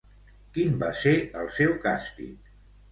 Quin va ser el seu càstig?